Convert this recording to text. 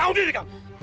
tahu diri kamu